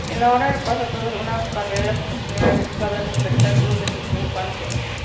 En la obra repasa toda una carrera profesional dedicada al espectáculo desde su infancia.